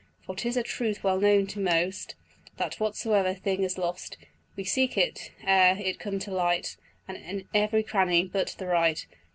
For 'tis a truth well known to most, That whatsoever thing is lost, We seek it, ere it come to light, In every cranny but the right.